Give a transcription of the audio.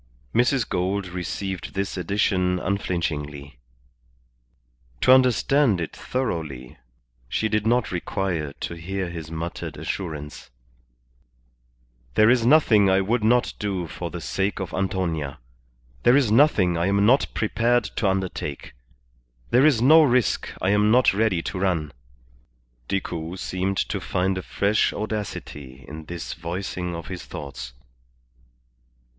Mrs. Gould received this addition unflinchingly. To understand it thoroughly she did not require to hear his muttered assurance "There is nothing I would not do for the sake of Antonia. There is nothing I am not prepared to undertake. There is no risk I am not ready to run." Decoud seemed to find a fresh audacity in this voicing of his thoughts.